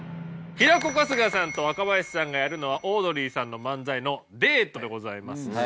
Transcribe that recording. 平子春日さんと若林さんがやるのはオードリーさんの漫才の「デート」でございます。